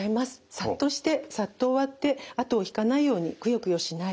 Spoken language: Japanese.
さっとしてさっと終わってあとを引かないようにクヨクヨしない。